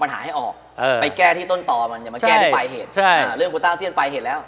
อยู่แก้ที่ต้นตรอยู่แบบไปเหตุ